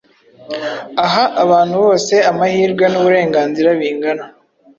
aha abantu bose amahirwe n’uburenganzira bingana